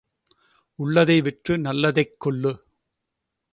உள்ளதை விற்று நல்லதைக் கொள்ளு.